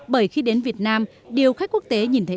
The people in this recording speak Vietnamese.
bởi khi đến việt nam điều khách quốc tế nhìn thấy